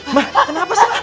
ma kenapa seh